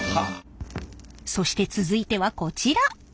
そして続いてはこちら！